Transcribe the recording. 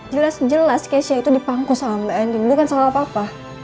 jelas jelas keisha itu dipangku sama mbak andin bukan salah papa